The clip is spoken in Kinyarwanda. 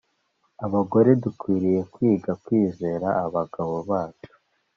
Abagore dukwiriye kwiga kwizera abagabo bacu